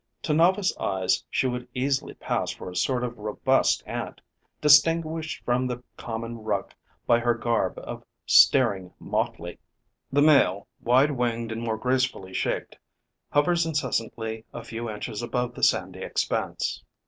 To novice eyes she would easily pass for a sort of robust Ant, distinguished from the common ruck by her garb of staring motley. The male, wide winged and more gracefully shaped, hovers incessantly a few inches above the sandy expanse.